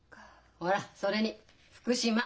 ほらそれに福島！